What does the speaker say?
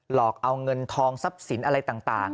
หลอกเอาเงินทองทรัพย์สินอะไรต่าง